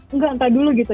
enggak enggak dulu gitu